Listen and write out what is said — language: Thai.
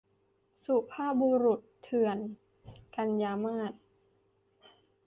สุภาพบุรุษเถื่อน - กันยามาส